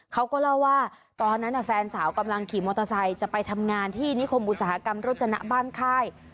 เขาก็เล่าว่าตอนนั้นแฟนสาวกำลังขี่มอเตอร์ไซค์จะไปทำงานที่นิคมอุตสาหกรรมรถจนะบ้านค่าย